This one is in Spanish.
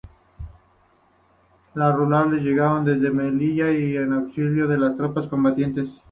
Los Regulares llegaron desde Melilla en auxilio de las tropas combatientes.